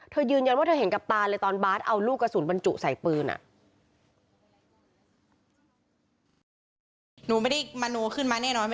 ยืนยันว่าเธอเห็นกับตาเลยตอนบาสเอาลูกกระสุนบรรจุใส่ปืน